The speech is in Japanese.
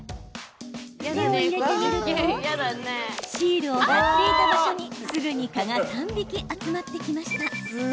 手を入れてみるとシールを貼っていた場所にすぐに蚊が３匹集まってきました。